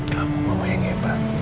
kamu mama yang hebat